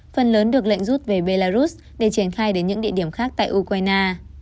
phần lớn được lệnh rút về belarus để triển khai đến những địa điểm khác tại ukraine